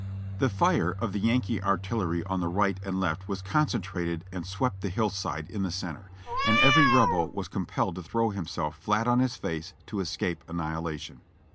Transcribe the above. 412 JOHNNY REB AND BIIvLY YANK The fire of the Yankee artillery on the right and left was con centrated and swept the hill side in the center, and every Rebel was compelled to throw himself flat on his face to escape annihila tion.